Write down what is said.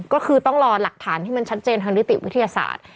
ก็คือต้องรอหลักฐานที่มันชัดเจนทางนิติวิทยาศาสตร์